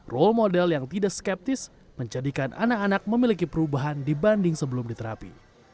role model yang tidak skeptis menjadikan anak anak memiliki perubahan dibanding sebelum diterapi